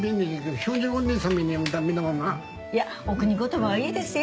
いやお国言葉はいいですよ